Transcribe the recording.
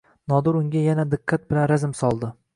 Nodir unga yana diqqat bilan razm soldi.